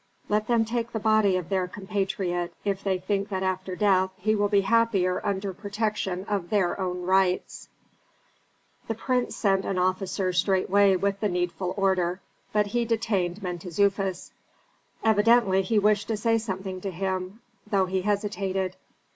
Let them take the body of their compatriot, if they think that after death he will be happier under protection of their own rites." The prince sent an officer straightway with the needful order, but he detained Mentezufis. Evidently he wished to say something to him, though he hesitated.